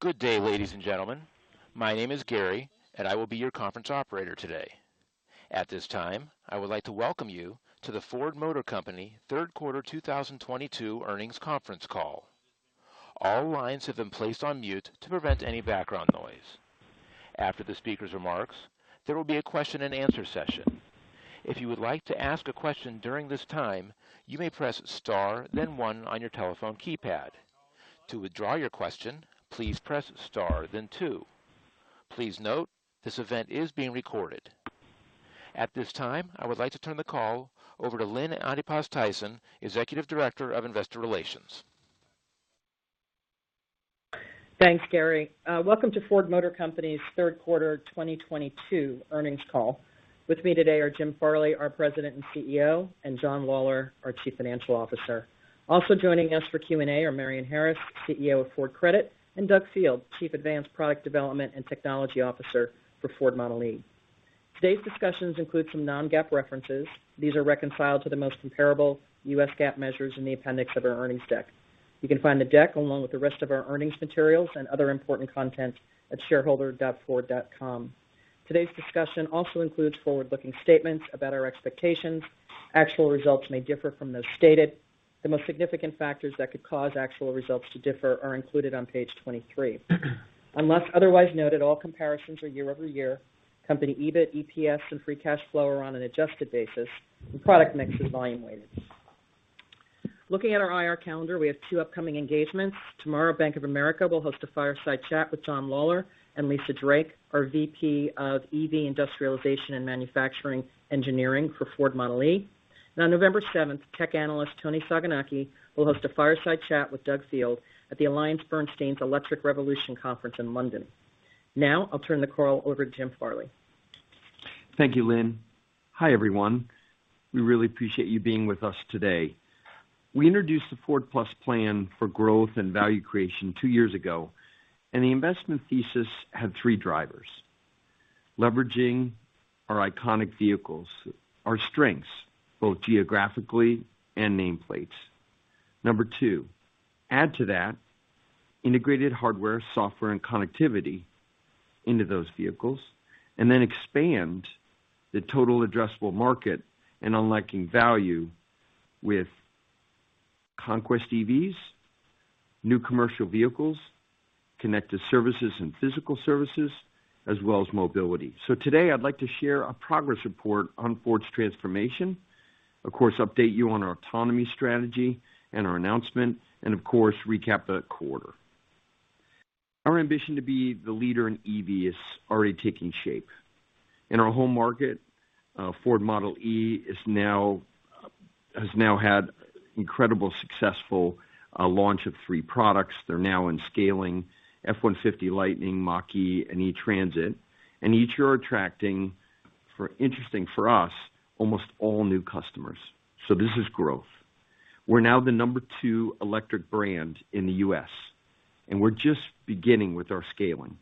Good day, ladies and gentlemen. My name is Gary, and I will be your conference operator today. At this time, I would like to welcome you to the Ford Motor Company third quarter 2022 earnings conference call. All lines have been placed on mute to prevent any background noise. After the speaker's remarks, there will be a question-and-answer session. If you would like to ask a question during this time, you may press Star, then one on your telephone keypad. To withdraw your question, please press Star then two. Please note this event is being recorded. At this time, I would like to turn the call over to Lynn Antipas Tyson, Executive Director of Investor Relations. Thanks, Gary. Welcome to Ford Motor Company's third quarter 2022 earnings call. With me today are Jim Farley, our President and CEO, and John Lawler, our Chief Financial Officer. Also joining us for Q&A are Marion Harris, CEO of Ford Credit, and Doug Field, Chief Advanced Product Development and Technology Officer for Ford Model e. Today's discussions include some Non-GAAP references. These are reconciled to the most comparable U.S. GAAP measures in the appendix of our earnings deck. You can find the deck along with the rest of our earnings materials and other important content at shareholder.ford.com. Today's discussion also includes forward-looking statements about our expectations. Actual results may differ from those stated. The most significant factors that could cause actual results to differ are included on page 23. Unless otherwise noted, all comparisons are year-over-year. Company EBIT, EPS and free cash flow are on an adjusted basis and product mix is volume weighted. Looking at our IR calendar, we have two upcoming engagements. Tomorrow, Bank of America will host a fireside chat with John Lawler and Lisa Drake, our VP of EV Industrialization and Manufacturing Engineering for Ford Model e. On November seventh, tech analyst Toni Sacconaghi will host a fireside chat with Doug Field at the AllianceBernstein's Electric Revolution Conference in London. Now I'll turn the call over to Jim Farley. Thank you, Lynn. Hi, everyone. We really appreciate you being with us today. We introduced the Ford+ plan for growth and value creation two years ago, and the investment thesis had three drivers. Leveraging our iconic vehicles, our strengths, both geographically and nameplates. Number two, add to that integrated hardware, software, and connectivity into those vehicles and then expand the total addressable market and unlocking value with conquest EVs, new commercial vehicles, connected services and physical services, as well as mobility. Today I'd like to share a progress report on Ford's transformation. Of course, update you on our autonomy strategy and our announcement and of course, recap the quarter. Our ambition to be the leader in EV is already taking shape. In our home market, Ford Model e has now had incredibly successful launch of three products. They're now scaling F-150 Lightning, Mach-E and E-Transit, and each are attracting, interestingly for us, almost all new customers. This is growth. We're now the number two electric brand in the U.S., and we're just beginning with our scaling.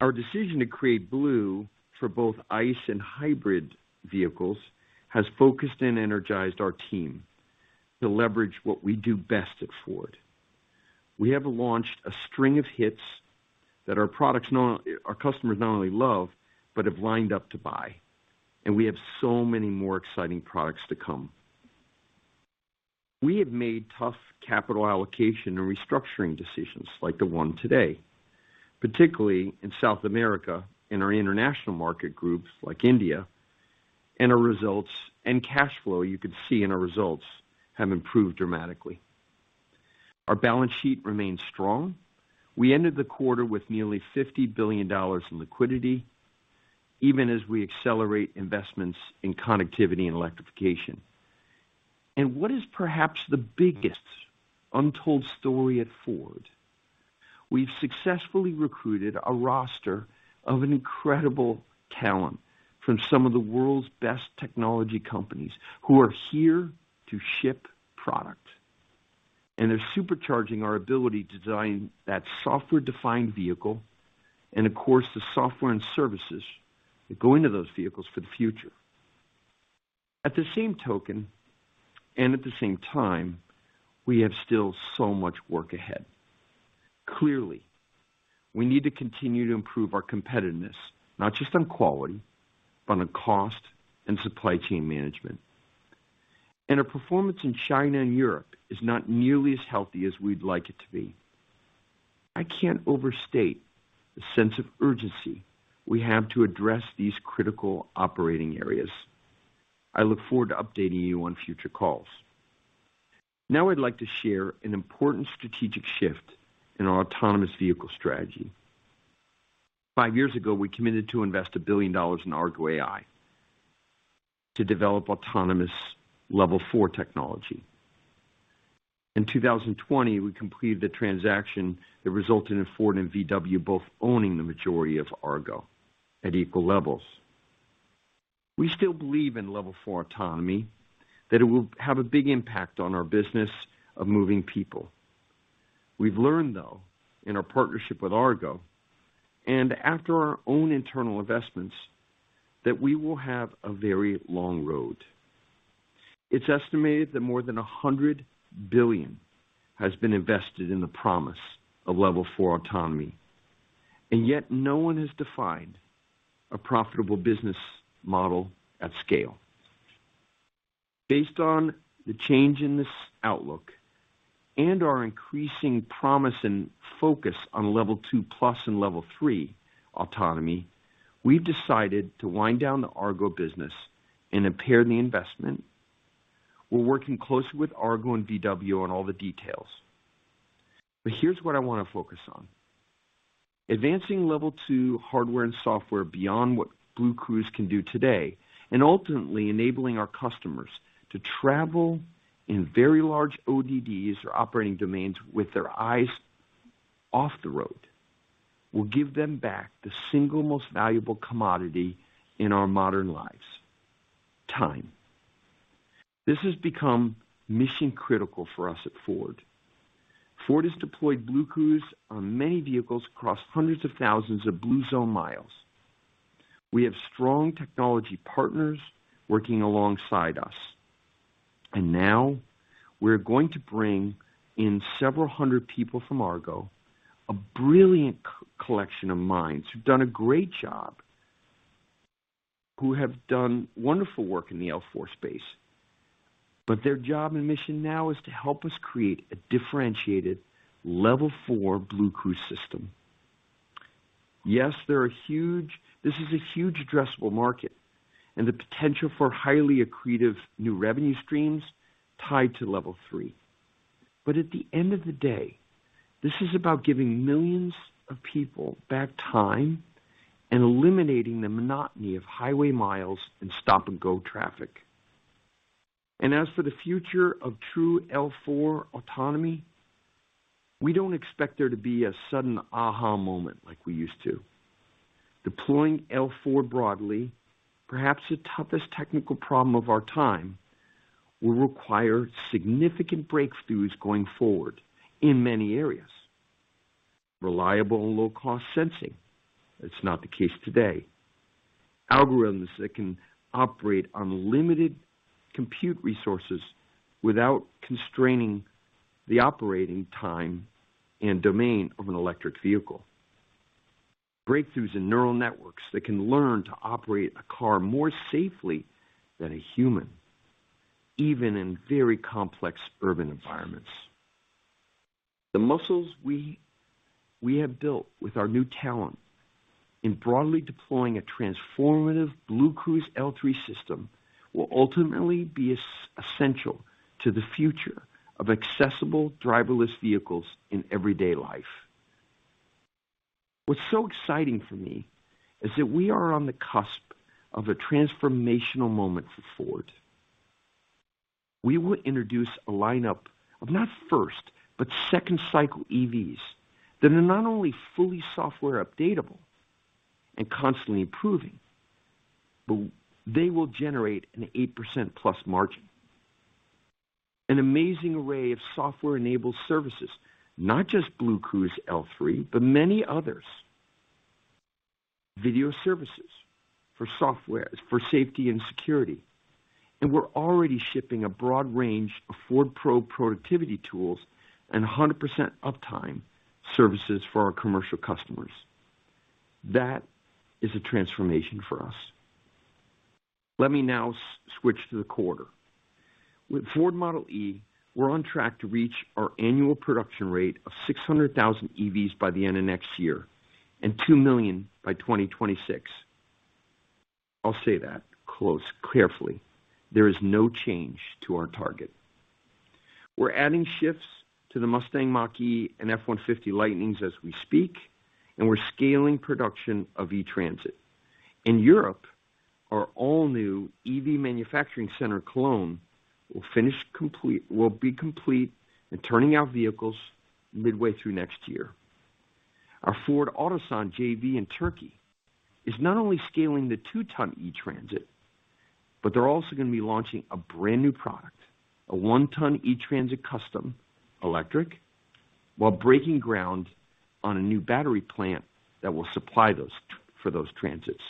Our decision to create Ford Blue for both ICE and hybrid vehicles has focused and energized our team to leverage what we do best at Ford. We have launched a string of hits that our customers not only love but have lined up to buy. We have so many more exciting products to come. We have made tough capital allocation and restructuring decisions like the one today, particularly in South America, in our international market groups like India. Our results and cash flow, you can see in our results, have improved dramatically. Our balance sheet remains strong. We ended the quarter with nearly $50 billion in liquidity, even as we accelerate investments in connectivity and electrification. What is perhaps the biggest untold story at Ford, we've successfully recruited a roster of incredible talent from some of the world's best technology companies who are here to ship product. They're supercharging our ability to design that software-defined vehicle and of course, the software and services that go into those vehicles for the future. At the same time, and at the same time, we have still so much work ahead. Clearly, we need to continue to improve our competitiveness not just on quality, but on cost and supply chain management. Our performance in China and Europe is not nearly as healthy as we'd like it to be. I can't overstate the sense of urgency we have to address these critical operating areas. I look forward to updating you on future calls. Now I'd like to share an important strategic shift in our autonomous vehicle strategy. five years ago, we committed to invest $1 billion in Argo AI to develop autonomous level four technology. In 2020, we completed the transaction that resulted in Ford and VW both owning the majority of Argo at equal levels. We still believe in level four autonomy, that it will have a big impact on our business of moving people. We've learned, though, in our partnership with Argo, and after our own internal investments, that we will have a very long road. It's estimated that more than $100 billion has been invested in the promise of level four autonomy, and yet no one has defined a profitable business model at scale. Based on the change in this outlook and our increasing promise and focus on level two+ and level three autonomy, we've decided to wind down the Argo business and impair the investment. We're working closely with Argo and VW on all the details, but here's what I wanna focus on. Advancing level two hardware and software beyond what BlueCruise can do today, and ultimately enabling our customers to travel in very large ODDs or operating domains with their eyes off the road, will give them back the single most valuable commodity in our modern lives. Time. This has become mission-critical for us at Ford. Ford has deployed BlueCruise on many vehicles across hundreds of thousands of Blue Zones miles. We have strong technology partners working alongside us, and now we're going to bring in several hundred people from Argo, a brilliant collection of minds who've done a great job, who have done wonderful work in the L4 space. Their job and mission now is to help us create a differentiated level four BlueCruise system. Yes, this is a huge addressable market and the potential for highly accretive new revenue streams tied to level three. At the end of the day, this is about giving millions of people back time and eliminating the monotony of highway miles and stop-and-go traffic. As for the future of true L4 autonomy, we don't expect there to be a sudden aha moment like we used to. Deploying L4 broadly, perhaps the toughest technical problem of our time, will require significant breakthroughs going forward in many areas. Reliable and low-cost sensing. That's not the case today. Algorithms that can operate on limited compute resources without constraining the operating time and domain of an electric vehicle. Breakthroughs in neural networks that can learn to operate a car more safely than a human, even in very complex urban environments. The muscles we have built with our new talent in broadly deploying a transformative BlueCruise L3 system will ultimately be essential to the future of accessible driverless vehicles in everyday life. What's so exciting for me is that we are on the cusp of a transformational moment for Ford. We will introduce a lineup of not first, but second cycle EVs that are not only fully software updatable and constantly improving, but they will generate an 8%+ margin. An amazing array of software-enabled services. Not just BlueCruise L3, but many others. Video services for software, for safety and security. We're already shipping a broad range of Ford Pro productivity tools and 100% uptime services for our commercial customers. That is a transformation for us. Let me now switch to the quarter. With Ford Model e, we're on track to reach our annual production rate of 600,000 EVs by the end of next year and 2 million by 2026. I'll say that closely, carefully. There is no change to our target. We're adding shifts to the Mustang Mach-E and F-150 Lightnings as we speak, and we're scaling production of E-Transit. In Europe, our all-new EV manufacturing center Cologne will be complete and turning out vehicles midway through next year. Our Ford Otosan JV in Turkey is not only scaling the two-ton E-Transit, but they're also gonna be launching a brand-new product, a one-ton E-Transit Custom electric, while breaking ground on a new battery plant that will supply those for those Transits.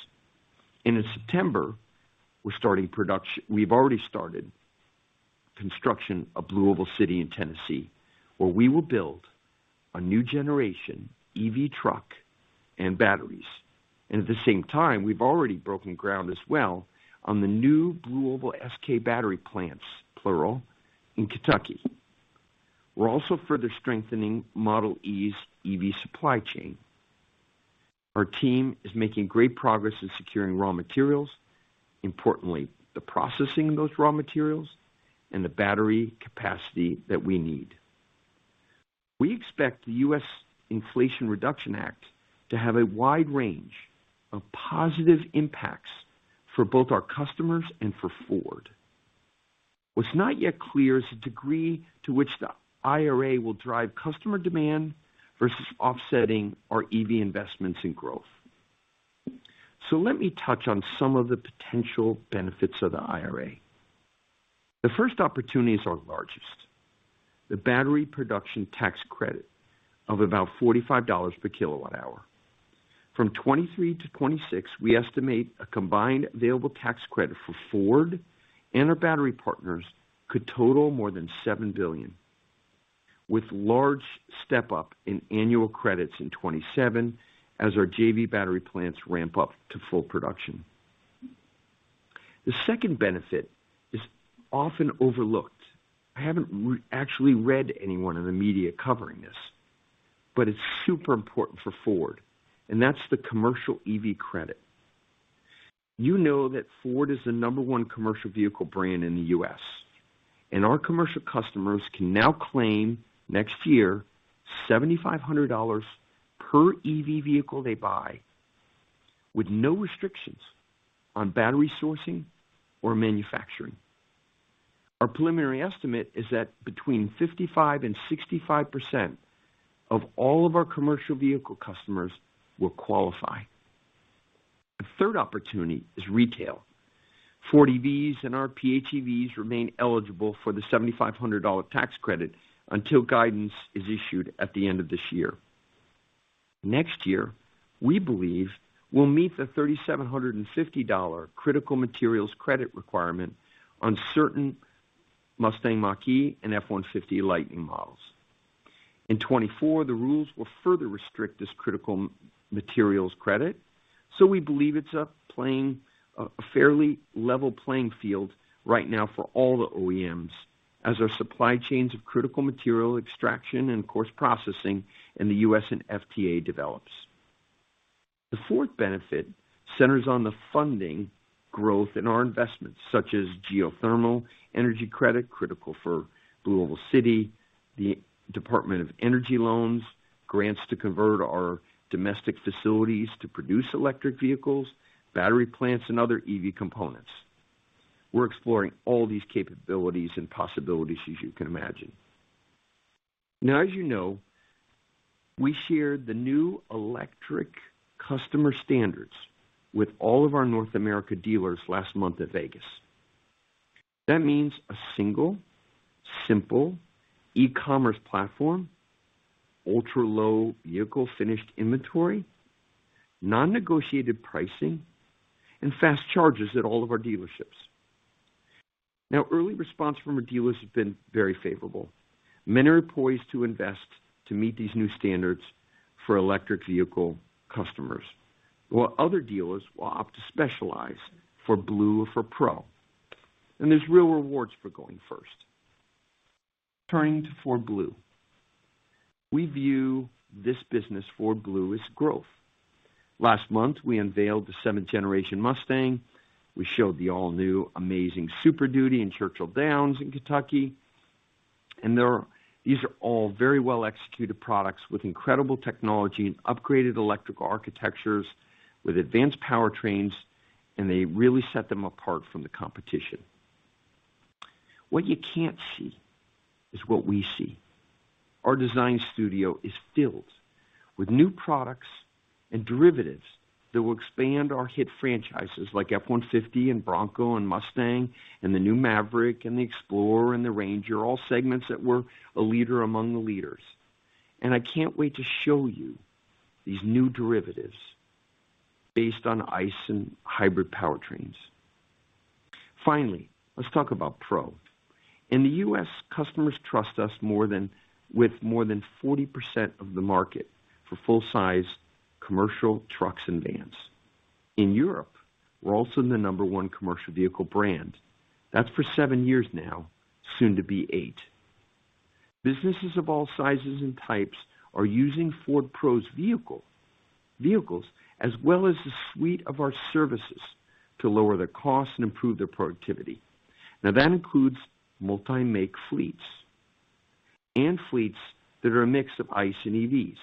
In September, we've already started construction of BlueOval City in Tennessee, where we will build a new generation EV truck and batteries. At the same time, we've already broken ground as well on the new BlueOval SK battery plants, plural, in Kentucky. We're also further strengthening Model e's EV supply chain. Our team is making great progress in securing raw materials, importantly, the processing of those raw materials and the battery capacity that we need. We expect the U.S. Inflation Reduction Act to have a wide range of positive impacts for both our customers and for Ford. What's not yet clear is the degree to which the IRA will drive customer demand versus offsetting our EV investments and growth. Let me touch on some of the potential benefits of the IRA. The first opportunity is our largest. The battery production tax credit of about $45 per kilowatt hour. From 2023 to 2026, we estimate a combined available tax credit for Ford and our battery partners could total more than $7 billion, with large step-up in annual credits in 2027 as our JV battery plants ramp up to full production. The second benefit is often overlooked. I haven't actually read anyone in the media covering this, but it's super important for Ford, and that's the commercial EV credit. You know that Ford is the number one commercial vehicle brand in the U.S., and our commercial customers can now claim next year $7,500 per EV vehicle they buy with no restrictions on battery sourcing or manufacturing. Our preliminary estimate is that between 55%-65% of all of our commercial vehicle customers will qualify. The third opportunity is retail. Ford EVs and our PHEVs remain eligible for the $7,500 tax credit until guidance is issued at the end of this year. Next year, we believe we'll meet the $3,750 critical materials credit requirement on certain Mustang Mach-E and F-150 Lightning models. In 2024, the rules will further restrict this critical materials credit, so we believe it's a playing. A fairly level playing field right now for all the OEMs as our supply chains for critical material extraction and ore processing in the U.S. and FTA develop. The fourth benefit centers on the funding for growth in our investments such as geothermal energy credit, critical for BlueOval City, the Department of Energy loans, grants to convert our domestic facilities to produce electric vehicles, battery plants, and other EV components. We're exploring all these capabilities and possibilities, as you can imagine. Now, as you know, we share the new electric customer standards with all of our North America dealers last month at Vegas. That means a single, simple e-commerce platform, ultra-low vehicle finished inventory, non-negotiated pricing, and fast charging at all of our dealerships. Now, early response from our dealers have been very favorable. Many are poised to invest to meet these new standards for electric vehicle customers. While other dealers will opt to specialize for Blue or for Pro. There's real rewards for going first. Turning to Ford Blue. We view this business, Ford Blue, as growth. Last month, we unveiled the seventh generation Mustang. We showed the all-new amazing Super Duty in Churchill Downs in Kentucky. These are all very well-executed products with incredible technology and upgraded electrical architectures with advanced powertrains, and they really set them apart from the competition. What you can't see is what we see. Our design studio is filled with new products and derivatives that will expand our hit franchises like F-150 and Bronco and Mustang and the new Maverick and the Explorer and the Ranger, all segments that we're a leader among the leaders. I can't wait to show you these new derivatives based on ICE and hybrid powertrains. Finally, let's talk about Pro. In the U.S., customers trust us with more than 40% of the market for full-size commercial trucks and vans. In Europe, we're also the number one commercial vehicle brand. That's for seven years now, soon to be eight. Businesses of all sizes and types are using Ford Pro's vehicles as well as the suite of our services to lower their costs and improve their productivity. Now, that includes multi-make fleets and fleets that are a mix of ICE and EVs.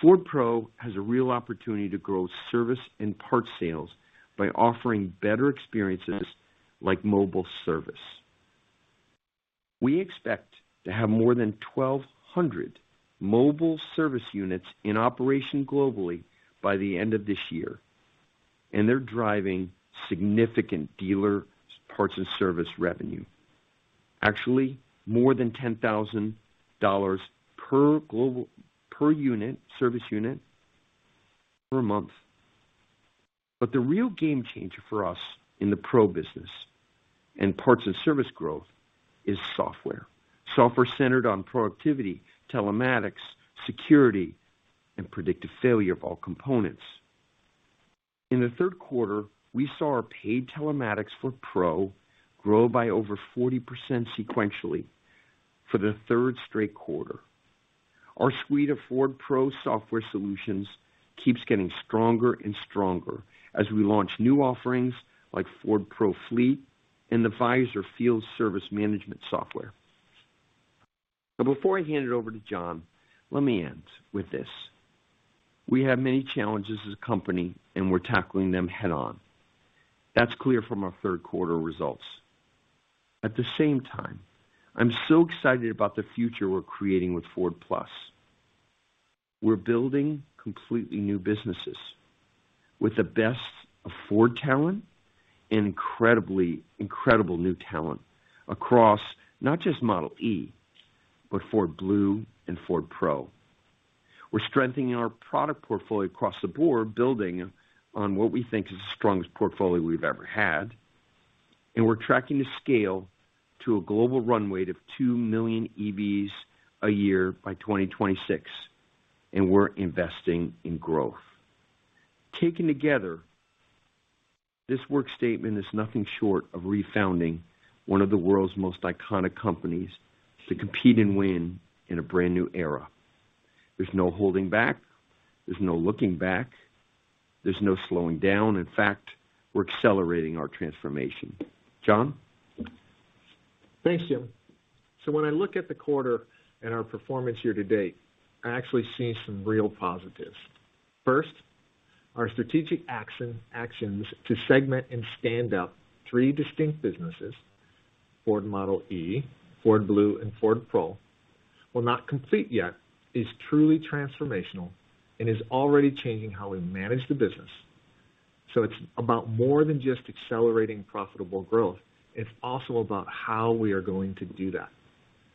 Ford Pro has a real opportunity to grow service and parts sales by offering better experiences like mobile service. We expect to have more than 1,200 mobile service units in operation globally by the end of this year, and they're driving significant dealer parts and service revenue. Actually, more than $10,000 per service unit per month. The real game changer for us in the Ford Pro business and parts and service growth is software. Software centered on productivity, telematics, security, and predictive failure of all components. In the third quarter, we saw our paid telematics for Ford Pro grow by over 40% sequentially for the third straight quarter. Our suite of Ford Pro software solutions keeps getting stronger and stronger as we launch new offerings like Ford Pro Fleet and the VIIZR Field Service Management software. Before I hand it over to John, let me end with this. We have many challenges as a company, and we're tackling them head-on. That's clear from our third quarter results. At the same time, I'm so excited about the future we're creating with Ford+. We're building completely new businesses with the best of Ford talent and incredible new talent across not just Model E, but Ford Blue and Ford Pro. We're strengthening our product portfolio across the board, building on what we think is the strongest portfolio we've ever had. We're tracking to scale to a global runway of 2 million EVs a year by 2026. We're investing in growth. Taken together, this work statement is nothing short of refounding one of the world's most iconic companies to compete and win in a brand-new era. There's no holding back. There's no looking back. There's no slowing down. In fact, we're accelerating our transformation. John? Thanks, Jim. When I look at the quarter and our performance year-to-date, I actually see some real positives. First, our strategic actions to segment and stand up three distinct businesses, Ford Model e, Ford Blue, and Ford Pro, while not complete yet, is truly transformational and is already changing how we manage the business. It's about more than just accelerating profitable growth. It's also about how we are going to do that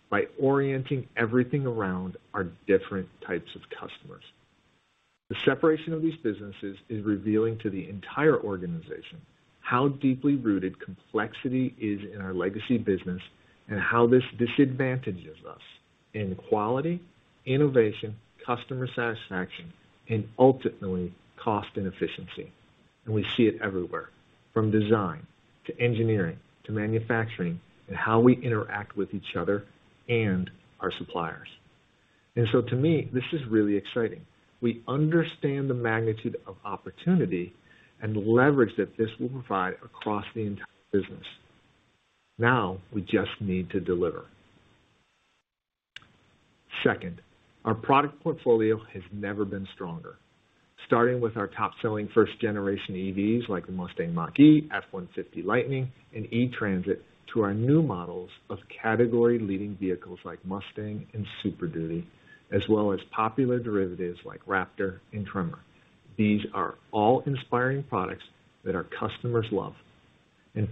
by orienting everything around our different types of customers. The separation of these businesses is revealing to the entire organization how deeply rooted complexity is in our legacy business and how this disadvantages us in quality, innovation, customer satisfaction, and ultimately cost and efficiency. We see it everywhere, from design to engineering to manufacturing and how we interact with each other and our suppliers. To me, this is really exciting. We understand the magnitude of opportunity and leverage that this will provide across the entire business. Now we just need to deliver. Second, our product portfolio has never been stronger. Starting with our top-selling first-generation EVs like the Mustang Mach-E, F-150 Lightning and E-Transit to our new models of category-leading vehicles like Mustang and Super Duty, as well as popular derivatives like Raptor and Tremor. These are all inspiring products that our customers love.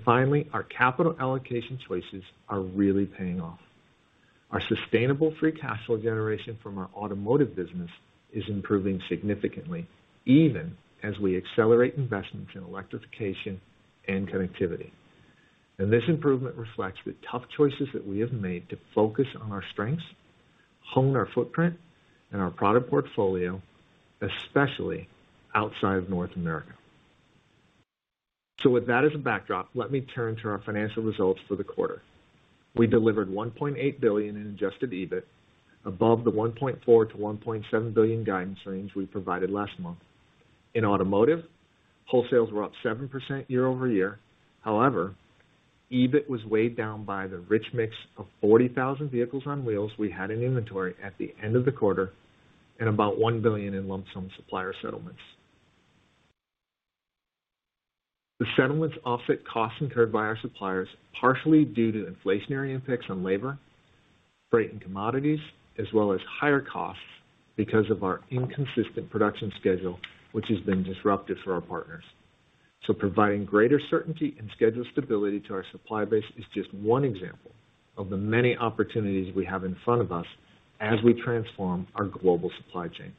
Finally, our capital allocation choices are really paying off. Our sustainable free cash flow generation from our automotive business is improving significantly even as we accelerate investments in electrification and connectivity. This improvement reflects the tough choices that we have made to focus on our strengths, hone our footprint and our product portfolio, especially outside of North America. With that as a backdrop, let me turn to our financial results for the quarter. We delivered $1.8 billion in adjusted EBIT above the $1.4-$1.7 billion guidance range we provided last month. In automotive, wholesales were up 7% year-over-year. However, EBIT was weighed down by the rich mix of 40,000 vehicles on wheels we had in inventory at the end of the quarter and about $1 billion in lump sum supplier settlements. The settlements offset costs incurred by our suppliers, partially due to inflationary impacts on labor, freight and commodities, as well as higher costs because of our inconsistent production schedule, which has been disruptive for our partners. Providing greater certainty and schedule stability to our supply base is just one example of the many opportunities we have in front of us as we transform our global supply chain.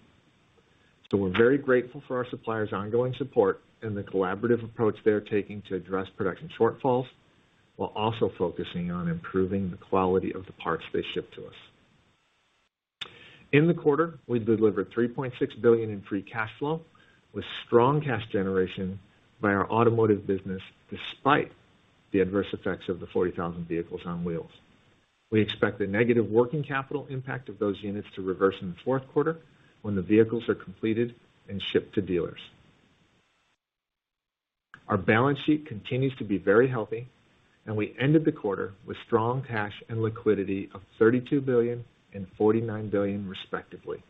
We're very grateful for our suppliers' ongoing support and the collaborative approach they are taking to address production shortfalls while also focusing on improving the quality of the parts they ship to us. In the quarter, we delivered $3.6 billion in free cash flow with strong cash generation by our automotive business despite the adverse effects of the 40,000 vehicles on wheels. We expect the negative working capital impact of those units to reverse in the fourth quarter when the vehicles are completed and shipped to dealers. Our balance sheet continues to be very healthy and we ended the quarter with strong cash and liquidity of $32 billion and $49 billion respectively.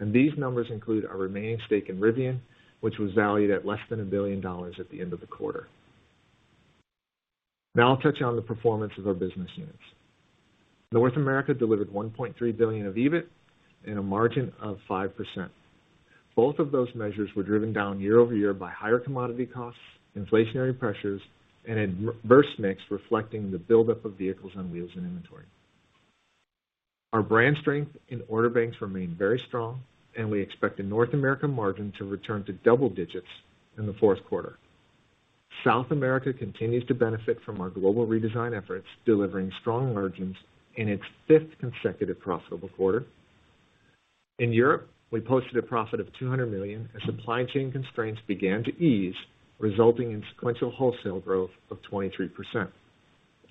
These numbers include our remaining stake in Rivian, which was valued at less than $1 billion at the end of the quarter. Now I'll touch on the performance of our business units. North America delivered $1.3 billion of EBIT and a margin of 5%. Both of those measures were driven down year-over-year by higher commodity costs, inflationary pressures and adverse mix reflecting the buildup of vehicles on wheels and inventory. Our brand strength and order banks remain very strong, and we expect the North American margin to return to double digits in the fourth quarter. South America continues to benefit from our global redesign efforts, delivering strong margins in its fifth consecutive profitable quarter. In Europe, we posted a profit of $200 million as supply chain constraints began to ease, resulting in sequential wholesale growth of 23%.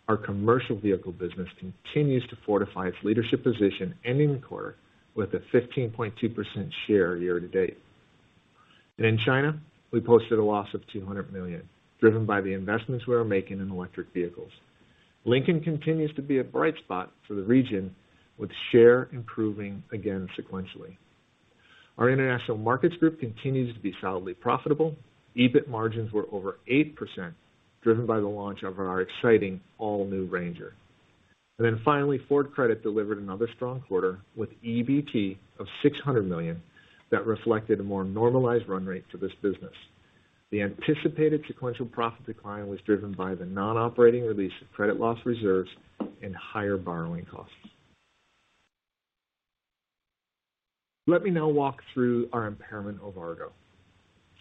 Our commercial vehicle business continues to fortify its leadership position, ending the quarter with a 15.2% share year-to-date. In China, we posted a loss of $200 million, driven by the investments we are making in electric vehicles. Lincoln continues to be a bright spot for the region, with share improving again sequentially. Our international markets group continues to be solidly profitable. EBIT margins were over 8%, driven by the launch of our exciting all-new Ranger. Finally, Ford Credit delivered another strong quarter with EBT of $600 million that reflected a more normalized run rate for this business. The anticipated sequential profit decline was driven by the non-operating release of credit loss reserves and higher borrowing costs. Let me now walk through our impairment of Argo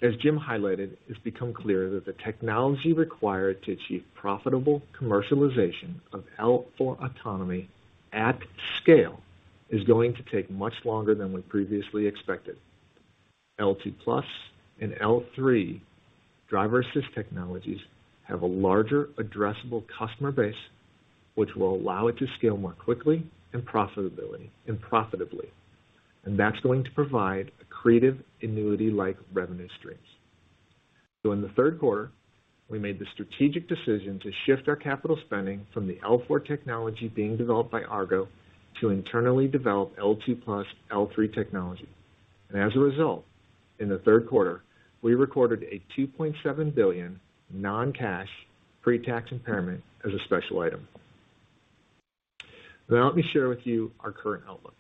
AI. As Jim highlighted, it's become clear that the technology required to achieve profitable commercialization of L4 autonomy at scale is going to take much longer than we previously expected. L2+ and L3 driver assist technologies have a larger addressable customer base, which will allow it to scale more quickly and profitably. That's going to provide accretive annuity-like revenue streams. In the third quarter, we made the strategic decision to shift our capital spending from the L4 technology being developed by Argo AI to internally develop L2+, L3 technology. As a result, in the third quarter, we recorded a $2.7 billion non-cash pre-tax impairment as a special item. Now let me share with you our current outlook.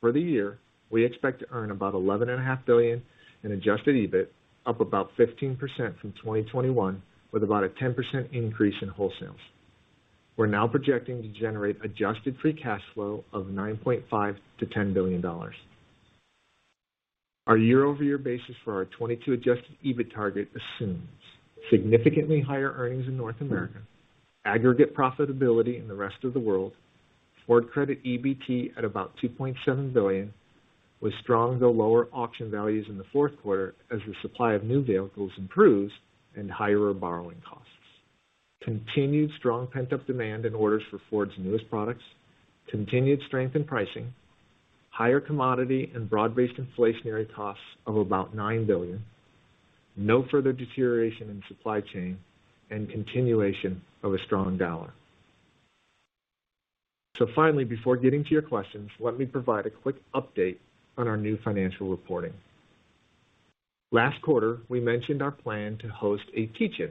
For the year, we expect to earn about $11.5 billion in adjusted EBIT, up about 15% from 2021, with about a 10% increase in wholesales. We're now projecting to generate adjusted free cash flow of $9.5 billion-$10 billion. Our year-over-year basis for our 2022 adjusted EBIT target assumes significantly higher earnings in North America, aggregate profitability in the rest of the world. Ford Credit EBT at about $2.7 billion, with stronger, lower auction values in the fourth quarter as the supply of new vehicles improves and higher borrowing costs. Continued strong pent-up demand and orders for Ford's newest products. Continued strength in pricing, higher commodity and broad-based inflationary costs of about $9 billion. No further deterioration in supply chain and continuation of a strong dollar. Finally, before getting to your questions, let me provide a quick update on our new financial reporting. Last quarter, we mentioned our plan to host a teach-in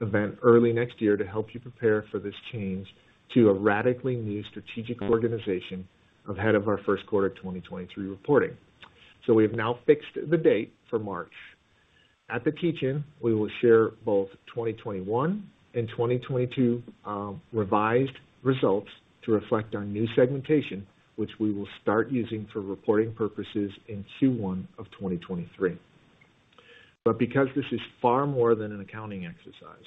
event early next year to help you prepare for this change to a radically new strategic organization ahead of our first quarter 2023 reporting. We have now fixed the date for March. At the teach-in, we will share both 2021 and 2022 revised results to reflect our new segmentation, which we will start using for reporting purposes in Q1 of 2023. Because this is far more than an accounting exercise,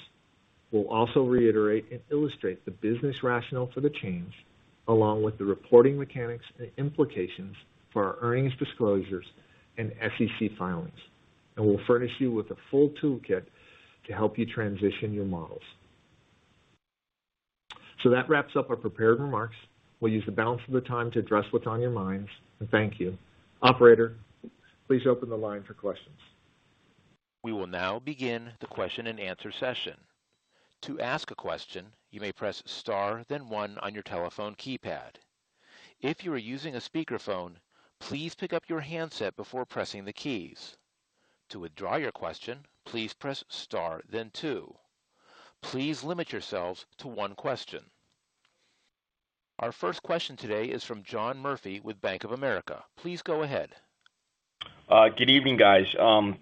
we'll also reiterate and illustrate the business rationale for the change, along with the reporting mechanics and implications for our earnings disclosures and SEC filings. We'll furnish you with a full toolkit to help you transition your models. That wraps up our prepared remarks. We'll use the balance of the time to address what's on your minds and thank you. Operator, please open the line for questions. We will now begin the question-and-answer session. To ask a question, you may press Star, then one on your telephone keypad. If you are using a speakerphone, please pick up your handset before pressing the keys. To withdraw your question, please press Star then two. Please limit yourselves to one question. Our first question today is from John Murphy with Bank of America. Please go ahead. Good evening, guys.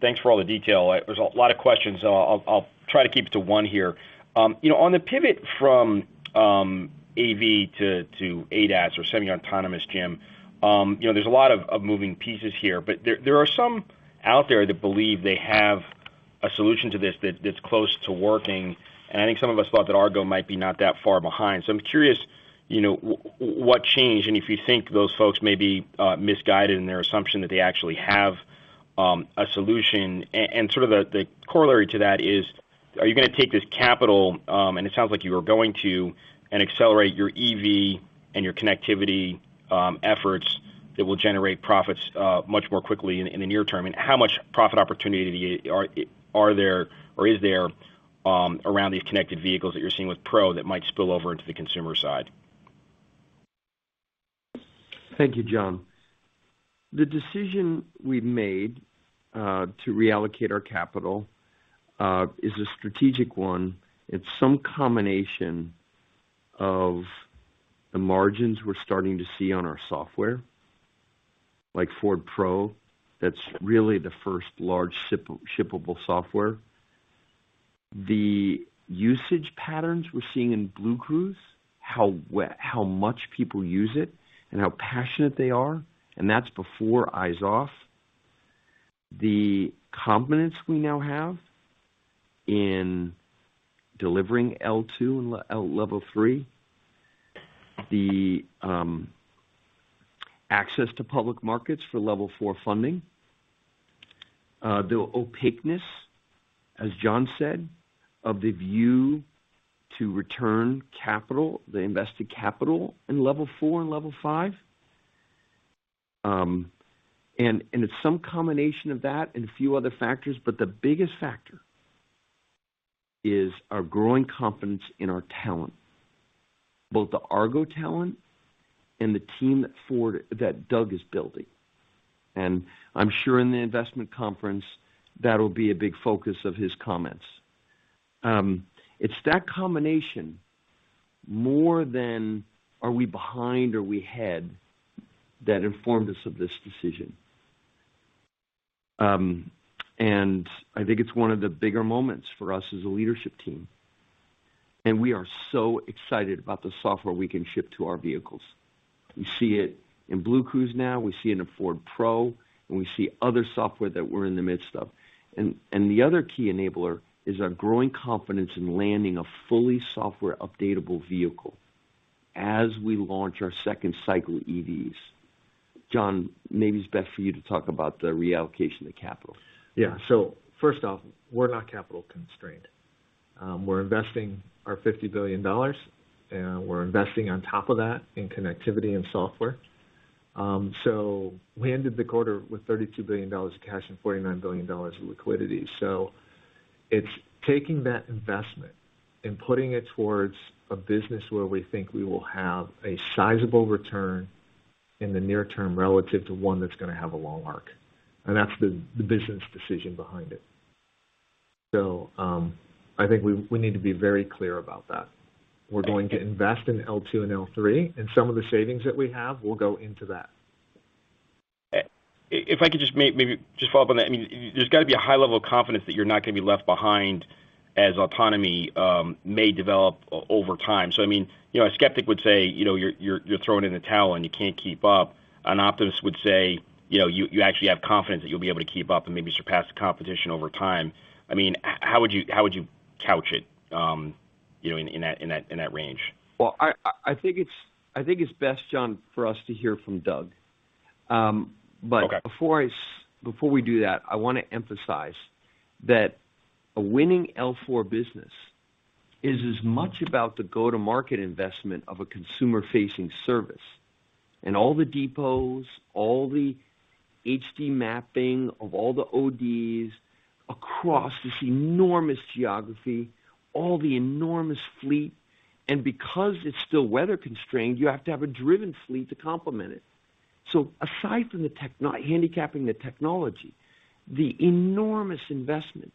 Thanks for all the detail. There's a lot of questions. I'll try to keep it to one here. You know, on the pivot from AV to ADAS or semi-autonomous, Jim, you know, there's a lot of moving pieces here, but there are some out there that believe they have a solution to this that's close to working. I think some of us thought that Argo AI might be not that far behind. I'm curious, you know, what changed and if you think those folks may be misguided in their assumption that they actually have a solution. And sort of the corollary to that is, are you gonna take this capital? It sounds like you are going to accelerate your EV and your connectivity efforts that will generate profits much more quickly in the near term. How much profit opportunity are there or is there around these connected vehicles that you're seeing with Pro that might spill over into the consumer side? Thank you, John. The decision we've made to reallocate our capital is a strategic one. It's some combination of the margins we're starting to see on our software, like Ford Pro. That's really the first large shippable software. The usage patterns we're seeing in BlueCruise, how much people use it and how passionate they are, and that's before eyes off. The confidence we now have in delivering L2 and L3, the access to public markets for level four funding, the opaqueness, as John said, of the view to return capital, the invested capital in level four and level five. It's some combination of that and a few other factors, but the biggest factor. is our growing confidence in our talent, both the Argo talent and the team that Doug is building. I'm sure in the investment conference, that'll be a big focus of his comments. It's that combination more than are we behind or we ahead that informed us of this decision. I think it's one of the bigger moments for us as a leadership team, and we are so excited about the software we can ship to our vehicles. We see it in BlueCruise now, we see it in a Ford Pro, and we see other software that we're in the midst of. The other key enabler is our growing confidence in landing a fully software updatable vehicle as we launch our second-cycle EVs. John, maybe it's best for you to talk about the reallocation of capital. Yeah. First off, we're not capital constrained. We're investing our $50 billion, and we're investing on top of that in connectivity and software. We ended the quarter with $32 billion in cash and $49 billion in liquidity. It's taking that investment and putting it towards a business where we think we will have a sizable return in the near term relative to one that's gonna have a long arc. That's the business decision behind it. I think we need to be very clear about that. We're going to invest in L2 and L3, and some of the savings that we have will go into that. If I could just maybe just follow up on that. I mean, there's gotta be a high level of confidence that you're not gonna be left behind as autonomy may develop over time. I mean, you know, a skeptic would say, you know, you're throwing in the towel and you can't keep up. An optimist would say, you know, you actually have confidence that you'll be able to keep up and maybe surpass the competition over time. I mean, how would you, how would you couch it, you know, in that range? Well, I think it's best, John, for us to hear from Doug. Okay. Before we do that, I want to emphasize that a winning L4 business is as much about the go-to-market investment of a consumer-facing service and all the depots, all the HD mapping of all the ODs across this enormous geography, all the enormous fleet, and because it is still weather constrained, you have to have a driven fleet to complement it. Aside from the tech, not handicapping the technology, the enormous investment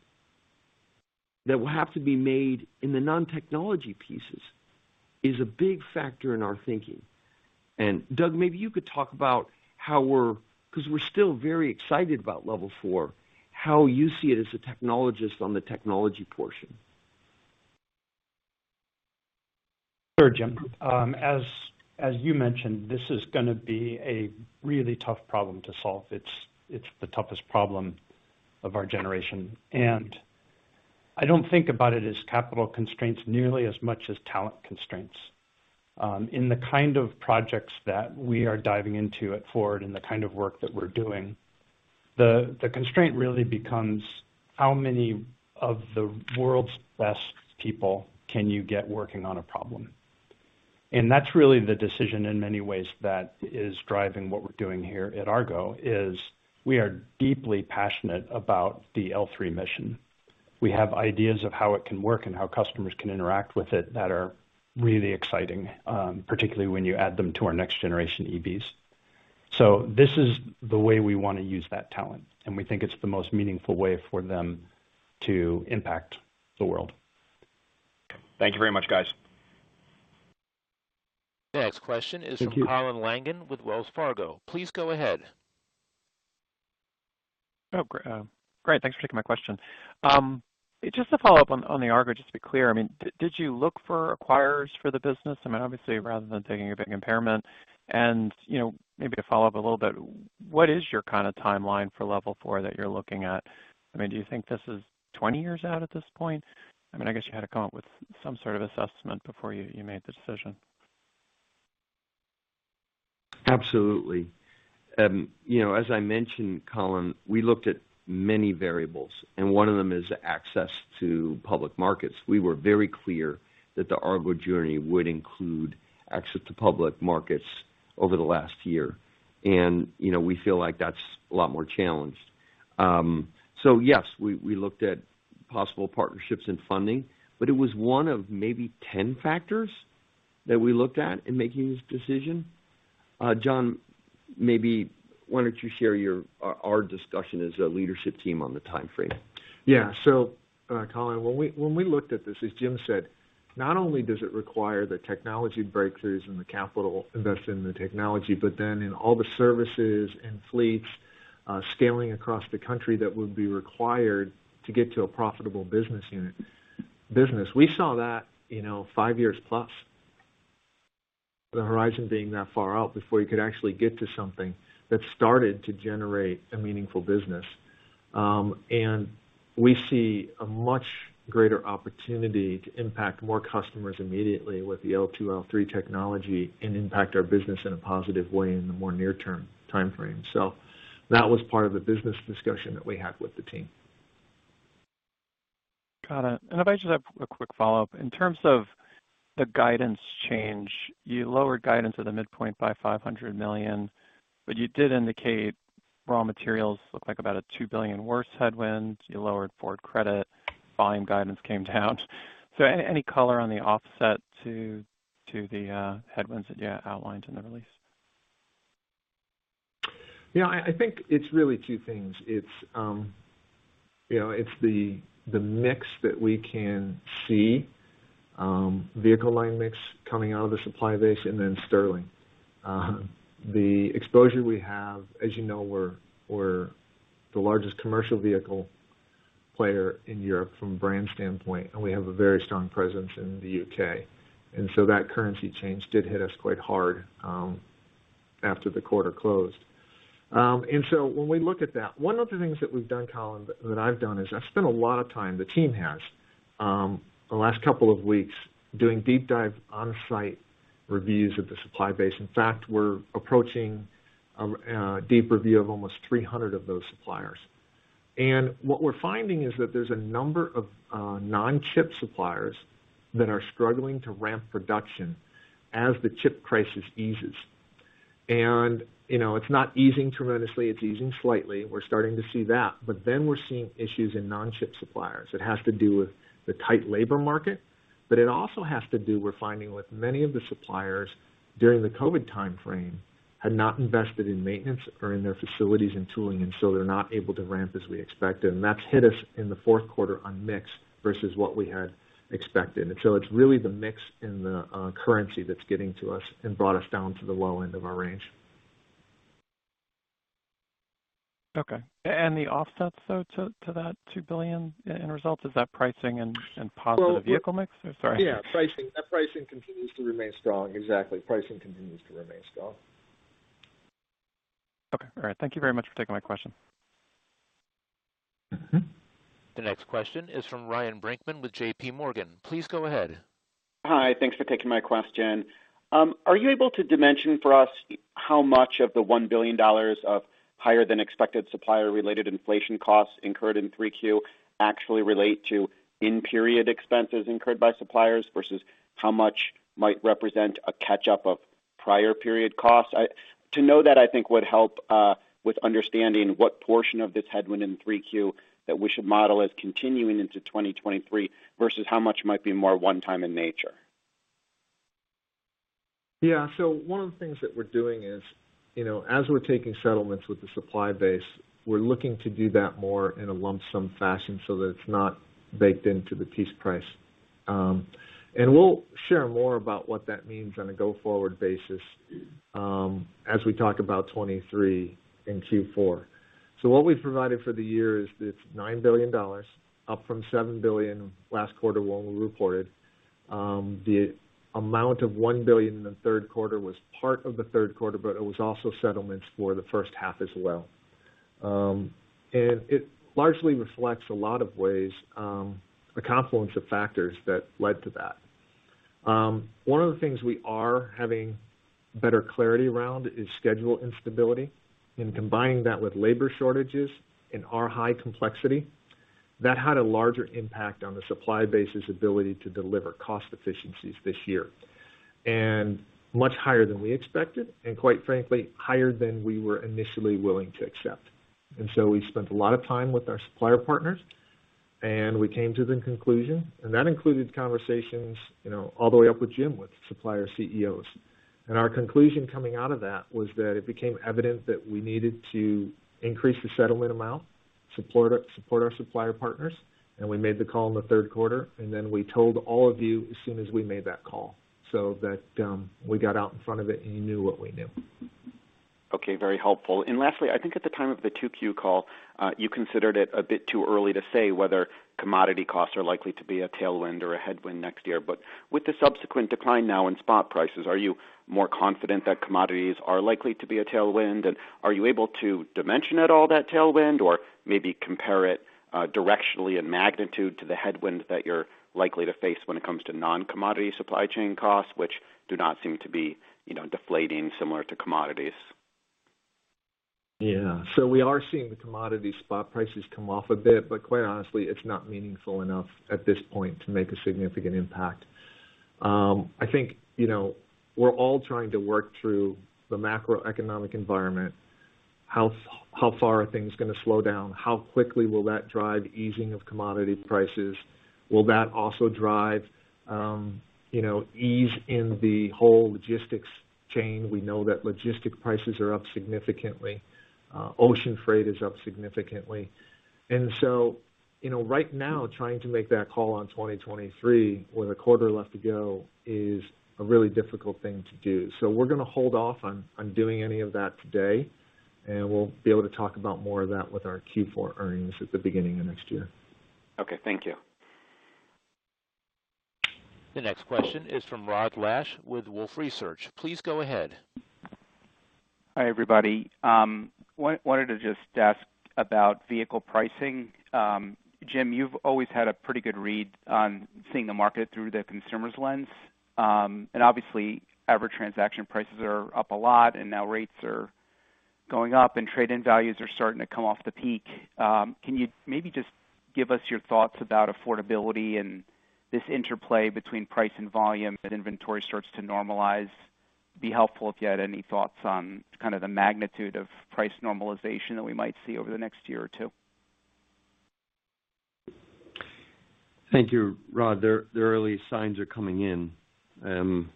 that will have to be made in the non-technology pieces is a big factor in our thinking. Doug, maybe you could talk about how we're 'cause we're still very excited about level four, how you see it as a technologist on the technology portion. Sure, Jim. As you mentioned, this is gonna be a really tough problem to solve. It's the toughest problem of our generation. I don't think about it as capital constraints nearly as much as talent constraints. In the kind of projects that we are diving into at Ford and the kind of work that we're doing, the constraint really becomes how many of the world's best people can you get working on a problem? That's really the decision in many ways that is driving what we're doing here at Argo AI, is we are deeply passionate about the L3 mission. We have ideas of how it can work and how customers can interact with it that are really exciting, particularly when you add them to our next generation EVs. This is the way we wanna use that talent, and we think it's the most meaningful way for them to impact the world. Thank you very much, guys. Thank you. Next question is from Colin Langan with Wells Fargo. Please go ahead. Oh, great. Thanks for taking my question. Just to follow up on the Argo, just to be clear, I mean, did you look for acquirers for the business? I mean, obviously, rather than taking a big impairment. You know, maybe to follow up a little bit, what is your kinda timeline for level four that you're looking at? I mean, do you think this is 20 years out at this point? I mean, I guess you had to come up with some sort of assessment before you made the decision. Absolutely. You know, as I mentioned, Colin, we looked at many variables, and one of them is access to public markets. We were very clear that the Argo AI journey would include access to public markets over the last year. You know, we feel like that's a lot more challenged. So yes, we looked at possible partnerships and funding, but it was one of maybe 10 factors that we looked at in making this decision. John, maybe why don't you share our discussion as a leadership team on the timeframe? Yeah. Colin, when we looked at this, as Jim said, not only does it require the technology breakthroughs and the capital invested in the technology, but then in all the services and fleets scaling across the country that would be required to get to a profitable business unit. We saw that, you know, five years plus. The horizon being that far out before you could actually get to something that started to generate a meaningful business. We see a much greater opportunity to impact more customers immediately with the L2, L3 technology and impact our business in a positive way in the more near-term timeframe. That was part of the business discussion that we had with the team. Got it. If I could just have a quick follow-up. The guidance change. You lowered guidance at the midpoint by $500 million, but you did indicate raw materials look like about a $2 billion worse headwind. You lowered Ford Credit, volume guidance came down. Any color on the offset to the headwinds that you outlined in the release? Yeah, I think it's really two things. It's you know, it's the mix that we can see, vehicle line mix coming out of the supply base and then Sterling. The exposure we have, as you know, we're the largest commercial vehicle player in Europe from a brand standpoint, and we have a very strong presence in the U.K.. That currency change did hit us quite hard after the quarter closed. When we look at that, one of the things that we've done, Colin, that I've done is I've spent a lot of time, the team has, the last couple of weeks doing deep dive on-site reviews of the supply base. In fact, we're approaching a deep review of almost 300 of those suppliers. What we're finding is that there's a number of non-chip suppliers that are struggling to ramp production as the chip crisis eases. You know, it's not easing tremendously, it's easing slightly. We're starting to see that. We're seeing issues in non-chip suppliers. It has to do with the tight labor market, but it also has to do, we're finding, with many of the suppliers during the COVID timeframe had not invested in maintenance or in their facilities and tooling, and so they're not able to ramp as we expected. That's hit us in the fourth quarter on mix versus what we had expected. It's really the mix and the currency that's getting to us and brought us down to the low end of our range. Okay. The offsets, though, to that $2 billion in results, is that pricing and positive vehicle mix? Or sorry. Yeah, pricing. That pricing continues to remain strong. Exactly. Pricing continues to remain strong. Okay. All right. Thank you very much for taking my question. Mm-hmm. The next question is from Ryan Brinkman with J.P. Morgan. Please go ahead. Hi. Thanks for taking my question. Are you able to dimension for us how much of the $1 billion of higher than expected supplier-related inflation costs incurred in 3Q actually relate to in-period expenses incurred by suppliers versus how much might represent a catch-up of prior period costs? To know that, I think, would help with understanding what portion of this headwind in 3Q that we should model as continuing into 2023 versus how much might be more one-time in nature. Yeah. One of the things that we're doing is, you know, as we're taking settlements with the supply base, we're looking to do that more in a lump sum fashion so that it's not baked into the piece price. We'll share more about what that means on a go-forward basis, as we talk about 2023 in Q4. What we've provided for the year is this $9 billion, up from $7 billion last quarter when we reported. The amount of $1 billion in the third quarter was part of the third quarter, but it was also settlements for the first half as well. It largely reflects a lot of ways, a confluence of factors that led to that. One of the things we are having better clarity around is schedule instability, and combining that with labor shortages and our high complexity, that had a larger impact on the supply base's ability to deliver cost efficiencies this year, and much higher than we expected, and quite frankly, higher than we were initially willing to accept. We spent a lot of time with our supplier partners, and we came to the conclusion, and that included conversations, you know, all the way up with Jim, with supplier CEOs. Our conclusion coming out of that was that it became evident that we needed to increase the settlement amount, support our supplier partners. We made the call in the third quarter, and then we told all of you as soon as we made that call, so that we got out in front of it, and you knew what we knew. Okay, very helpful. Lastly, I think at the time of the 2Q call, you considered it a bit too early to say whether commodity costs are likely to be a tailwind or a headwind next year. With the subsequent decline now in spot prices, are you more confident that commodities are likely to be a tailwind? Are you able to dimension at all that tailwind or maybe compare it, directionally in magnitude to the headwind that you're likely to face when it comes to non-commodity supply chain costs, which do not seem to be, you know, deflating similar to commodities? Yeah. We are seeing the commodity spot prices come off a bit, but quite honestly, it's not meaningful enough at this point to make a significant impact. I think, you know, we're all trying to work through the macroeconomic environment. How far are things gonna slow down? How quickly will that drive easing of commodity prices? Will that also drive, you know, ease in the whole logistics chain? We know that logistics prices are up significantly. Ocean freight is up significantly. You know, right now, trying to make that call on 2023 with a quarter left to go is a really difficult thing to do. We're gonna hold off on doing any of that today, and we'll be able to talk about more of that with our Q4 earnings at the beginning of next year. Okay. Thank you. The next question is from Rod Lache with Wolfe Research. Please go ahead. Hi, everybody. Wanted to just ask about vehicle pricing. Jim, you've always had a pretty good read on seeing the market through the consumer's lens. Obviously, average transaction prices are up a lot and now rates are Going up and trade-in values are starting to come off the peak. Can you maybe just give us your thoughts about affordability and this interplay between price and volume that inventory starts to normalize? Be helpful if you had any thoughts on kind of the magnitude of price normalization that we might see over the next year or two. Thank you, Rod. The early signs are coming in.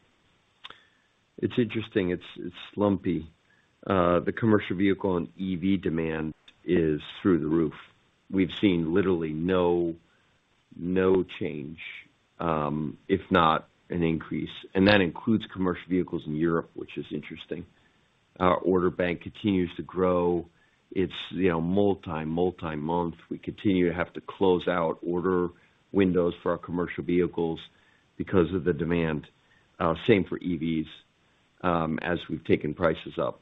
It's interesting, it's lumpy. The commercial vehicle and EV demand is through the roof. We've seen literally no change, if not an increase. That includes commercial vehicles in Europe, which is interesting. Our order bank continues to grow. It's, you know, multi-month. We continue to have to close out order windows for our commercial vehicles because of the demand. Same for EVs, as we've taken prices up.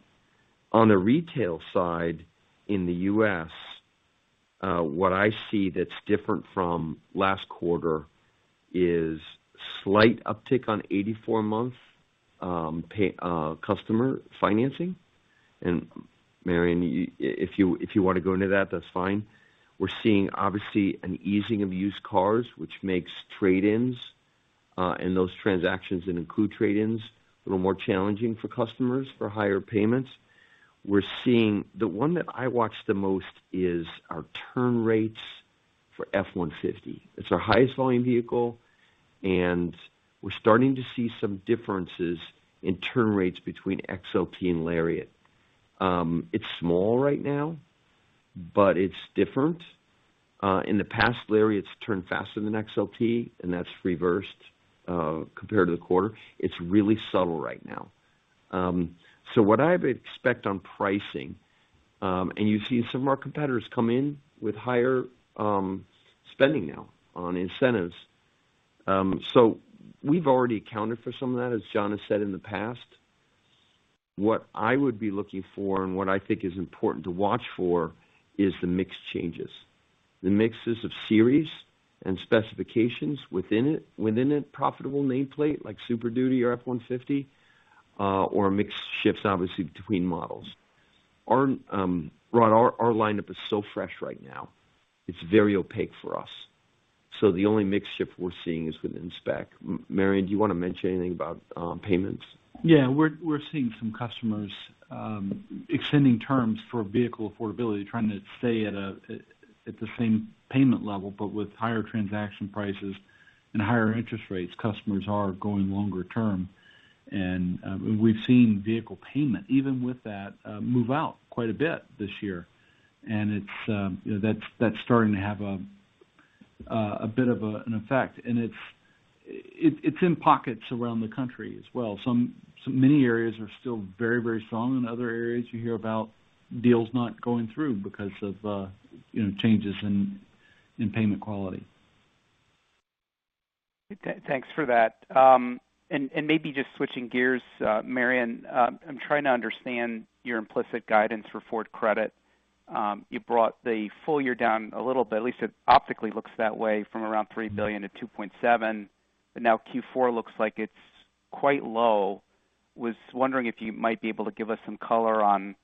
On the retail side, in the U.S., what I see that's different from last quarter is slight uptick on 84-month customer financing. Marion, if you wanna go into that's fine. We're seeing obviously an easing of used cars, which makes trade-ins and those transactions that include trade-ins a little more challenging for customers for higher payments. We're seeing. The one that I watch the most is our turn rates for F-150. It's our highest volume vehicle, and we're starting to see some differences in turn rates between XLT and Lariat. It's small right now, but it's different. In the past, Lariat's turned faster than XLT, and that's reversed, compared to the quarter. It's really subtle right now. What I would expect on pricing, and you've seen some of our competitors come in with higher spending now on incentives. We've already accounted for some of that, as John has said in the past. What I would be looking for and what I think is important to watch for is the mix changes. The mixes of series and specifications within it, within a profitable nameplate like Super Duty or F-150, or mix shifts obviously between models. Our Rod, our lineup is so fresh right now. It's very opaque for us. The only mix shift we're seeing is within spec. Marion, do you wanna mention anything about payments? Yeah. We're seeing some customers extending terms for vehicle affordability, trying to stay at the same payment level, but with higher transaction prices and higher interest rates, customers are going longer term. We've seen vehicle payment even with that move out quite a bit this year. It's you know that's starting to have a bit of an effect. It's in pockets around the country as well. Many areas are still very strong. In other areas, you hear about deals not going through because of you know changes in payment quality. Thanks for that. Maybe just switching gears, Marion, I'm trying to understand your implicit guidance for Ford Credit. You brought the full year down a little bit, at least it optically looks that way, from around $3 billion to $2.7 billion. Now Q4 looks like it's quite low. Was wondering if you might be able to give us some color on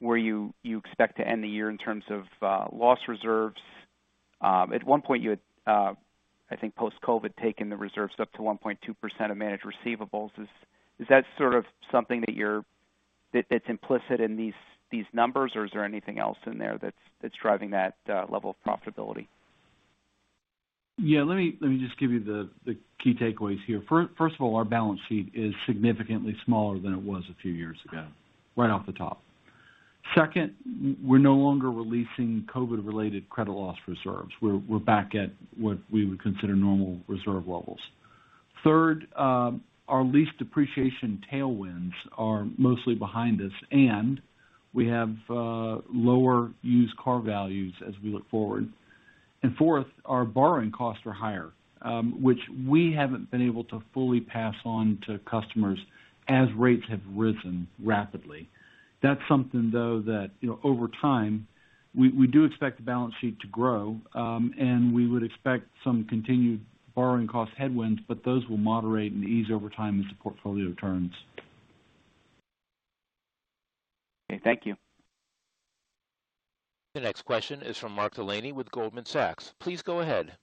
where you expect to end the year in terms of loss reserves. At one point you had I think post-COVID taken the reserves up to 1.2% of managed receivables. Is that sort of something that that's implicit in these numbers, or is there anything else in there that's driving that level of profitability? Yeah, let me just give you the key takeaways here. First of all, our balance sheet is significantly smaller than it was a few years ago, right off the top. Second, we're no longer releasing COVID-related credit loss reserves. We're back at what we would consider normal reserve levels. Third, our lease depreciation tailwinds are mostly behind us, and we have lower used car values as we look forward. Fourth, our borrowing costs are higher, which we haven't been able to fully pass on to customers as rates have risen rapidly. That's something, though, that, you know, over time, we do expect the balance sheet to grow, and we would expect some continued borrowing cost headwinds, but those will moderate and ease over time as the portfolio turns. Okay, thank you. The next question is from Mark Delaney with Goldman Sachs. Please go ahead.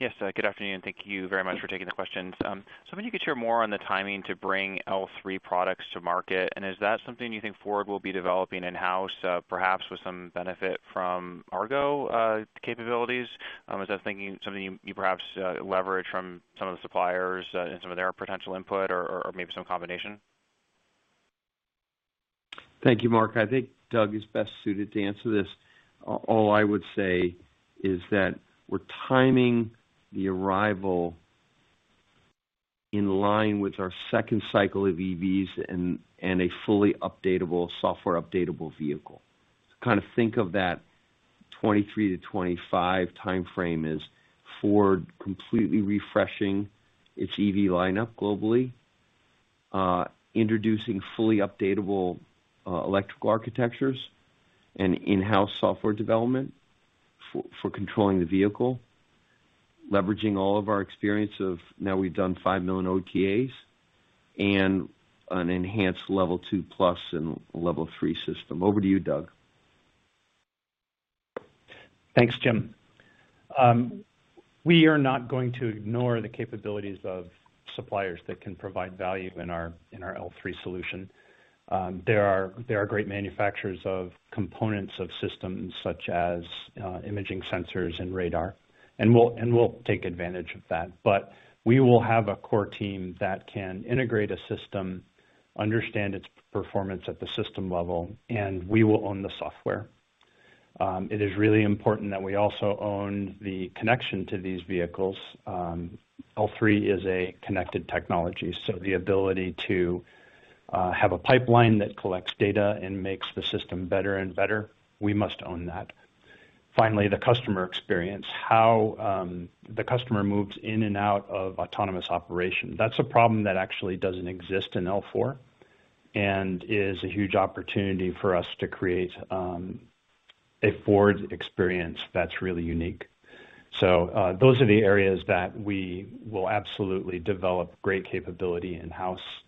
Yes. Good afternoon. Thank you very much for taking the questions. I wonder if you could share more on the timing to bring L3 products to market. Is that something you think Ford will be developing in-house, perhaps with some benefit from Argo AI capabilities? What I'm thinking, something you perhaps leverage from some of the suppliers, and some of their potential input or maybe some combination? Thank you, Mark. I think Doug is best suited to answer this. All I would say is that we're timing the arrival in line with our second cycle of EVs and a fully updatable software, updatable vehicle. To kind of think of that 2023-2025 timeframe is Ford completely refreshing its EV lineup globally, introducing fully updatable electrical architectures and in-house software development for controlling the vehicle. Leveraging all of our experience of now we've done 5 million OTAs and an enhanced level two+ and level three system. Over to you, Doug. Thanks, Jim. We are not going to ignore the capabilities of suppliers that can provide value in our L3 solution. There are great manufacturers of components of systems such as imaging sensors and radar, and we'll take advantage of that. We will have a core team that can integrate a system, understand its performance at the system level, and we will own the software. It is really important that we also own the connection to these vehicles. L3 is a connected technology, so the ability to have a pipeline that collects data and makes the system better and better, we must own that. Finally, the customer experience. How the customer moves in and out of autonomous operation. That's a problem that actually doesn't exist in L4 and is a huge opportunity for us to create a Ford experience that's really unique. Those are the areas that we will absolutely develop great capability in-house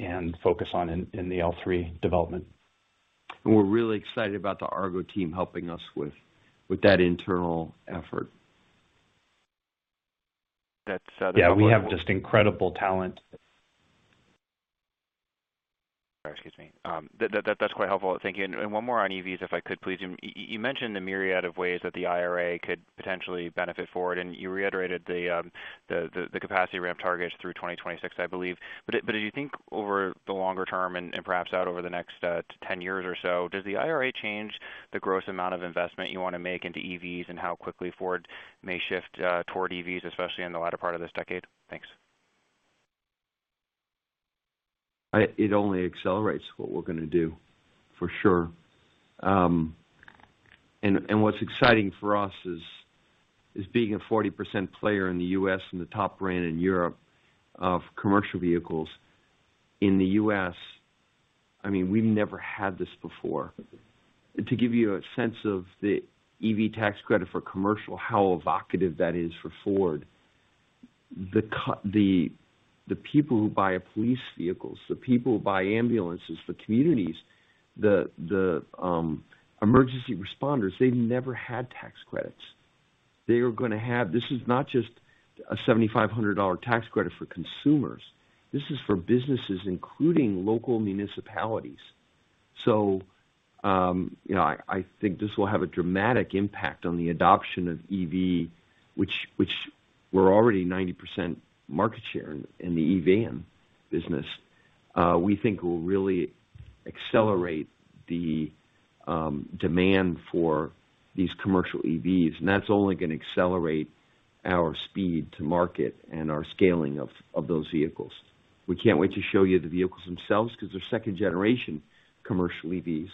and focus on in the L3 development. We're really excited about the Argo team helping us with that internal effort. That's, Yeah, we have just incredible talent. Excuse me. That's quite helpful. Thank you. One more on EVs, if I could please. You mentioned the myriad of ways that the IRA could potentially benefit Ford, and you reiterated the capacity ramp targets through 2026, I believe. If you think over the longer term and perhaps out over the next 10 years or so, does the IRA change the gross amount of investment you wanna make into EVs and how quickly Ford may shift toward EVs, especially in the latter part of this decade? Thanks. It only accelerates what we're gonna do, for sure. What's exciting for us is being a 40% player in the U.S. and the top brand in Europe of commercial vehicles. In the U.S., I mean, we've never had this before. To give you a sense of the EV tax credit for commercial, how evocative that is for Ford, the people who buy police vehicles, the people who buy ambulances for communities, the emergency responders, they've never had tax credits. They are gonna have. This is not just a $7,500 tax credit for consumers. This is for businesses, including local municipalities. You know, I think this will have a dramatic impact on the adoption of EV, which we're already 90% market share in the EV and business. We think will really accelerate the demand for these commercial EVs. That's only gonna accelerate our speed to market and our scaling of those vehicles. We can't wait to show you the vehicles themselves 'cause they're second generation commercial EVs.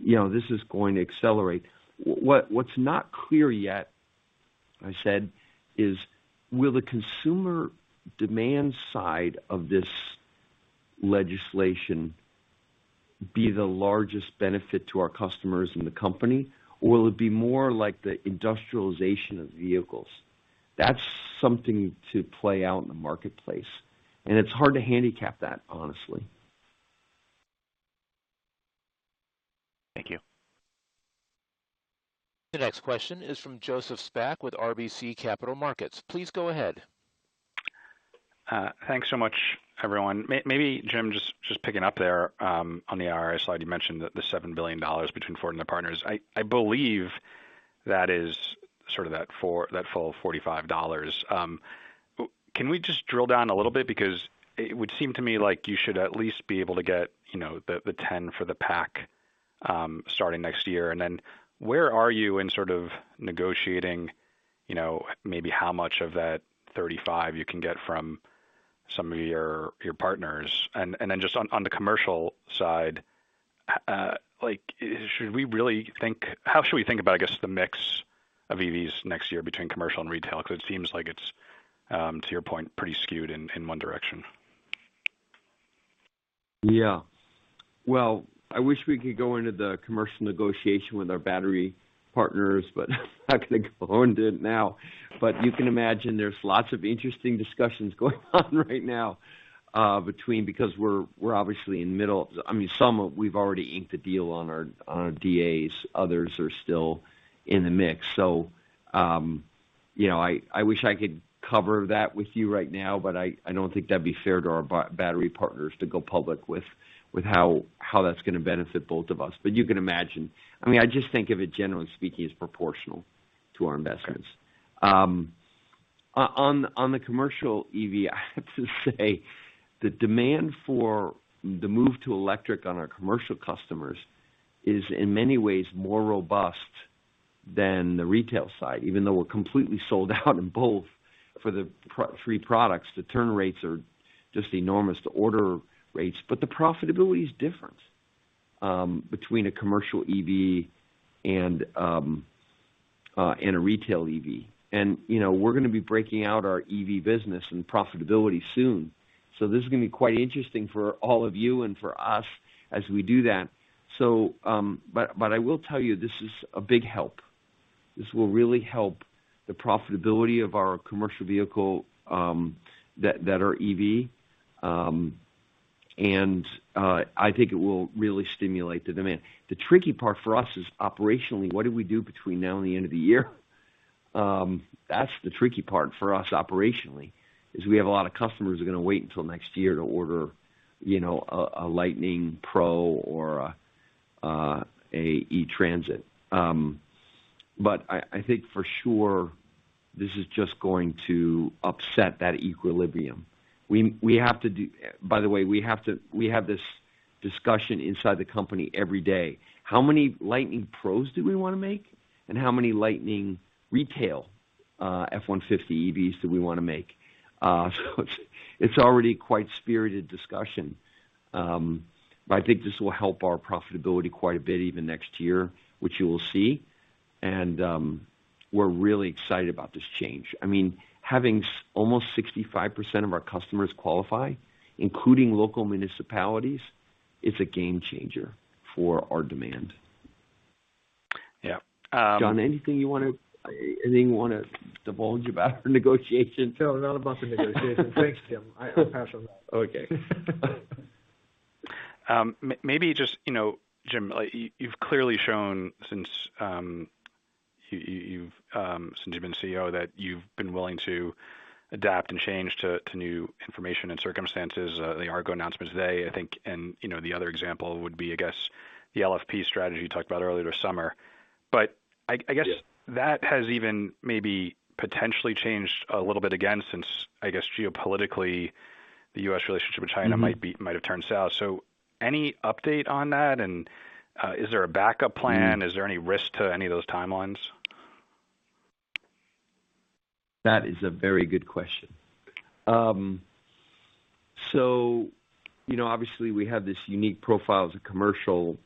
You know, this is going to accelerate. What's not clear yet, I said, is will the consumer demand side of this legislation be the largest benefit to our customers in the company, or will it be more like the industrialization of vehicles? That's something to play out in the marketplace, and it's hard to handicap that, honestly. Thank you. The next question is from Joseph Spak with RBC Capital Markets. Please go ahead. Thanks so much, everyone. Maybe, Jim, just picking up there on the IRA slide, you mentioned the $7 billion between Ford and their partners. I believe that is sort of that full $45. Can we just drill down a little bit? Because it would seem to me like you should at least be able to get, you know, the $10 for the pack starting next year. And then where are you in sort of negotiating, you know, maybe how much of that $35 you can get from some of your partners? Then just on the commercial side, like how should we think about, I guess, the mix of EVs next year between commercial and retail? 'Cause it seems like it's, to your point, pretty skewed in one direction. Yeah. Well, I wish we could go into the commercial negotiation with our battery partners, but I'm not gonna go into it now. You can imagine there's lots of interesting discussions going on right now, because we're obviously in the middle. I mean, some we've already inked a deal on our JDAs. Others are still in the mix. You know, I wish I could cover that with you right now, but I don't think that'd be fair to our battery partners to go public with how that's gonna benefit both of us. You can imagine. I mean, I just think of it, generally speaking, as proportional to our investments. On the commercial EV, I have to say the demand for the move to electric on our commercial customers is in many ways more robust than the retail side, even though we're completely sold out in both for the pro-three products. The turn rates are just enormous, the order rates, but the profitability is different between a commercial EV and a retail EV. You know, we're gonna be breaking out our EV business and profitability soon. This is gonna be quite interesting for all of you and for us as we do that. But I will tell you, this is a big help. This will really help the profitability of our commercial vehicle that are EV. I think it will really stimulate the demand. The tricky part for us is operationally, what do we do between now and the end of the year? That's the tricky part for us operationally, is we have a lot of customers that are gonna wait until next year to order, you know, a Lightning Pro or a E-Transit. I think for sure this is just going to upset that equilibrium. By the way, we have this discussion inside the company every day. How many Lightning Pros do we wanna make, and how many Lightning retail F-150 EVs do we wanna make? It's already quite spirited discussion. I think this will help our profitability quite a bit even next year, which you will see. We're really excited about this change. I mean, having almost 65% of our customers qualify, including local municipalities, is a game changer for our demand. Yeah. John, anything you wanna divulge about our negotiation? No, not about the negotiation. Thanks, Jim. I'll pass on that. Okay. Maybe just, you know, Jim, like, you've clearly shown since you've been CEO that you've been willing to adapt and change to new information and circumstances. The Argo announcement today, I think, and, you know, the other example would be, I guess, the LFP strategy you talked about earlier this summer. I guess. Yeah. that has even maybe potentially changed a little bit again since, I guess, geopolitically, the U.S. relationship with China. Mm-hmm. Might have turned south. Any update on that, and is there a backup plan? Mm. Is there any risk to any of those timelines? That is a very good question. You know, obviously we have this unique profile as a commercial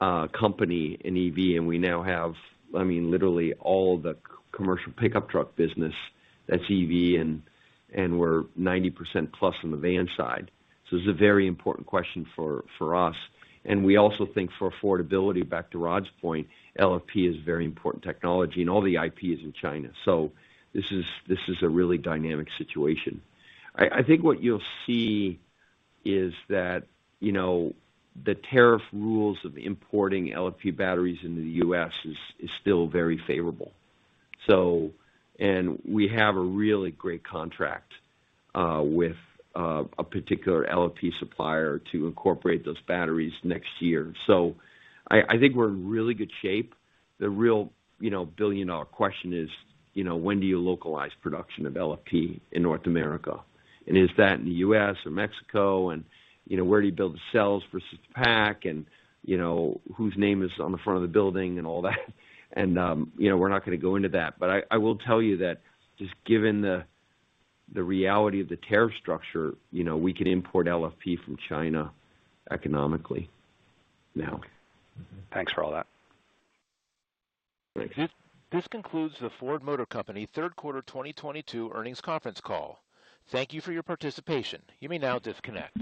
company in EV, and we now have, I mean, literally all the commercial pickup truck business that's EV and we're 90%+ on the van side. This is a very important question for us. We also think for affordability, back to Rod's point, LFP is very important technology, and all the IP is in China. This is a really dynamic situation. I think what you'll see is that, you know, the tariff rules of importing LFP batteries into the U.S. is still very favorable. We have a really great contract with a particular LFP supplier to incorporate those batteries next year. I think we're in really good shape. The real, you know, billion-dollar question is, you know, when do you localize production of LFP in North America? Is that in the U.S. or Mexico? You know, where do you build the cells versus the pack? You know, whose name is on the front of the building and all that. You know, we're not gonna go into that. I will tell you that just given the reality of the tariff structure, you know, we can import LFP from China economically now. Thanks for all that. Thanks. This concludes the Ford Motor Company third quarter 2022 earnings conference call. Thank you for your participation. You may now disconnect.